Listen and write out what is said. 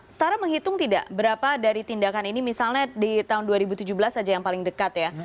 setara menghitung tidak berapa dari tindakan ini misalnya di tahun dua ribu tujuh belas saja yang paling dekat ya